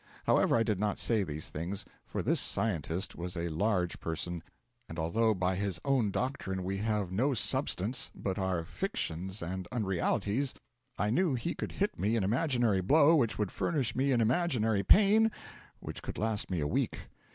However, I did not say these things, for this Scientist was a large person, and although by his own doctrine we have no substance, but are fictions and unrealities, I knew he could hit me an imaginary blow which would furnish me an imaginary pain which could last me a week.